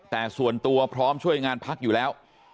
แต่ส่วนตัวพร้อมช่วยงานพักอยู่แล้ว